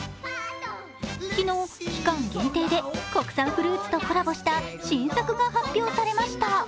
昨日、期間限定で国産フルーツとコラボした新作が発表されました。